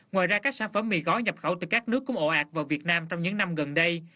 ngoài ra các sản phẩm mì gói nhập khẩu từ các nước cũng ổ ạt vào việt nam trong những năm gần đây